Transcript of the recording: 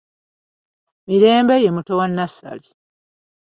Mirembe ye muto wa Nassali.